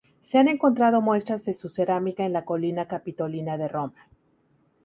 Se han encontrado muestras de su cerámica en la Colina Capitolina de Roma.